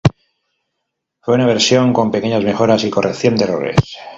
Fue una versión con pequeñas mejoras y corrección de errores.